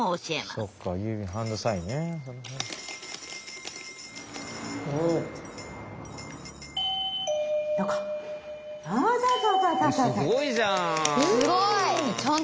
すごいじゃん。